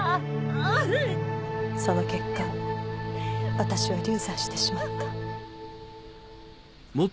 その結果私は流産してしまった。